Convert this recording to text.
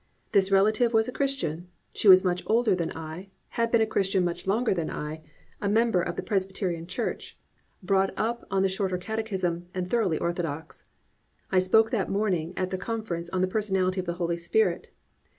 This relative was a Christian, she was much older than I, had been a Christian much longer than I, a member of the Presbyterian Church, brought up on the Shorter Catechism, and thoroughly orthodox. I spoke that morning at the Conference on the Personality of the Holy Spirit.